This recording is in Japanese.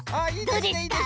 どうですか？